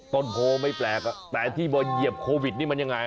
ต้นโพไม่แปลกแต่ที่มาเหยียบโควิดนี่มันยังไง